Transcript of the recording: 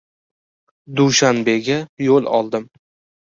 Dushanbega yo‘l oldim.